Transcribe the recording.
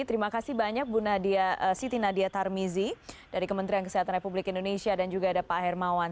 terima kasih banyak bu nadia siti nadia tarmizi dari kementerian kesehatan republik indonesia dan juga ada pak hermawan